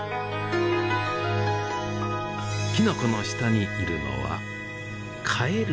きのこの下にいるのはカエル。